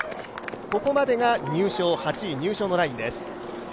ここまでが８位入賞のラインです。